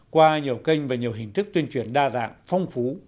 qua nhiều kênh và nhiều hình thức tuyên truyền đa dạng phong phú